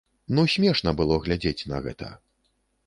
Ну смешна было глядзець на гэта.